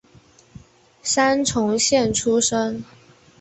三重县出身。